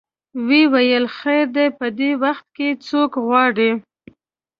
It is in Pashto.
وویل خیر دی په دې وخت کې څوک غواړې.